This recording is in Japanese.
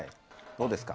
どうですか？